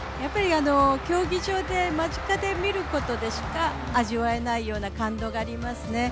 競技場で間近で見ることでしか味わえないような感動がありますね。